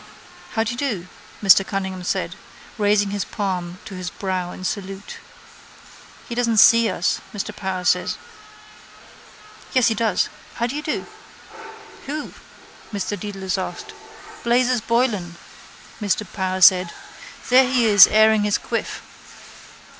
—How do you do? Martin Cunningham said, raising his palm to his brow in salute. —He doesn't see us, Mr Power said. Yes, he does. How do you do? —Who? Mr Dedalus asked. —Blazes Boylan, Mr Power said. There he is airing his quiff.